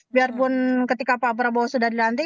biarpun ketika pak prabowo sudah dilantik